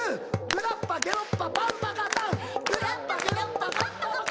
ゲロッパゲロッパパンパカパン。